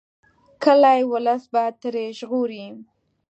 کلي ولس به ترې ژغوري.